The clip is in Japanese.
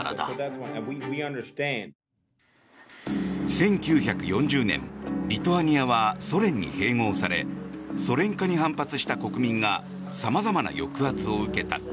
１９４０年リトアニアはソ連に併合されソ連化に反発した国民が様々な抑圧を受けた。